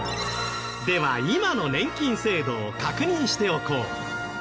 では今の年金制度を確認しておこう。